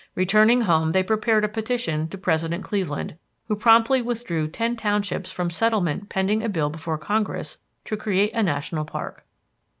Returning home they prepared a petition to President Cleveland, who promptly withdrew ten townships from settlement pending a bill before Congress to create a national park.